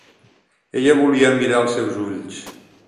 Ella volia mirar els seus ulls.